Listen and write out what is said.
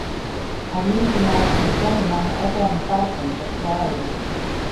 Hy lient tenei syn bekende namme ek oan in parfum foar froulju.